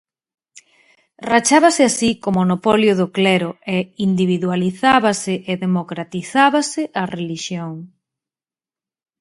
Rachábase así co monopolio do clero e individualizábase e democratizábase a relixión.